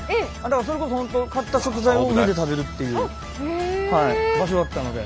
それこそ本当買った食材を上で食べるっていう場所だったので。